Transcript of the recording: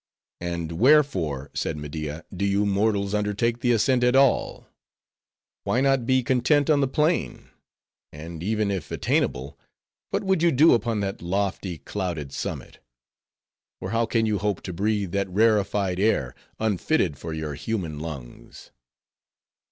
"And wherefore," said Media, "do you mortals undertake the ascent at all? why not be content on the plain? and even if attainable, what would you do upon that lofty, clouded summit? Or how can you hope to breathe that rarefied air, unfitted for your human lungs?"